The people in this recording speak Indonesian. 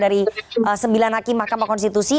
dari sembilan hakim mahkamah konstitusi